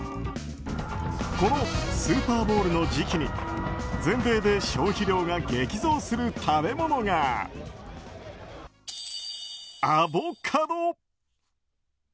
このスーパーボウルの時期に全米で消費量が激増する食べ物がアボカド。